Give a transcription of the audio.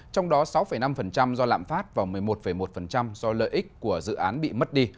trong đó sáu năm do lạm phát và một mươi một một do lợi ích của dự án bị mất đi